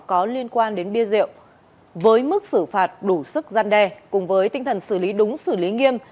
có liên quan đến bia rượu với mức xử phạt đủ sức gian đe cùng với tinh thần xử lý đúng xử lý nghiêm